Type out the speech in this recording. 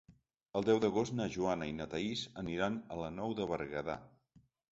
El deu d'agost na Joana i na Thaís aniran a la Nou de Berguedà.